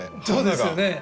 そうですよね。